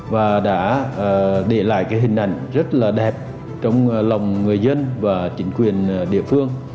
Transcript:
và đã để lại cái hình ảnh rất là đẹp trong lòng người dân và chính quyền địa phương